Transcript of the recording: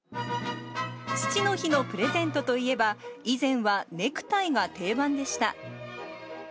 父の日のプレゼントといえば、以前はネクタイが定番でした。